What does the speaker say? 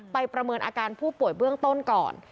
ประเมินอาการผู้ป่วยเบื้องต้นก่อน